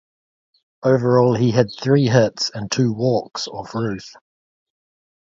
Overall, he had three hits and two walks off Ruth.